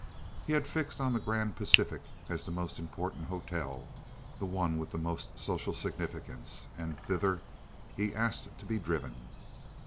He had fixed on the Grand Pacific as the most important hotel—the one with the most social significance—and thither he asked to be driven.